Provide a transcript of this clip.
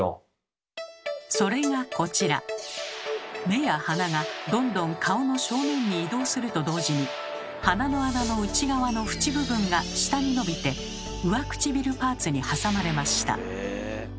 目や鼻がどんどん顔の正面に移動すると同時に鼻の穴の内側の縁部分が下に伸びて上唇パーツに挟まれました。